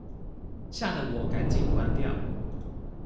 嚇得我趕緊關掉